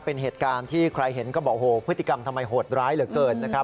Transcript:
เป็นเหตุการณ์ที่ใครเห็นก็บอกโหพฤติกรรมทำไมโหดร้ายเหลือเกินนะครับ